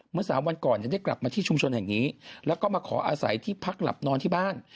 สามวันก่อนได้กลับมาที่ชุมชนแห่งนี้แล้วก็มาขออาศัยที่พักหลับนอนที่บ้าน